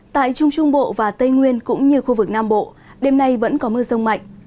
tại trung trung bộ và tây nguyên cũng như khu vực nam bộ đêm nay vẫn có mưa rông mạnh